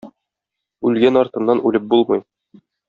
Үлгән артыннан үлеп булмый.